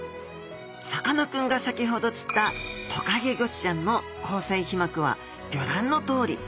さかなクンが先ほど釣ったトカゲゴチちゃんの虹彩皮膜はギョ覧のとおり。